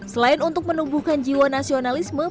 selain untuk menumbuhkan jiwa nasionalisme